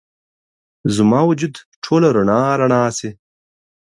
زما وجود ټوله رڼا، رڼا شي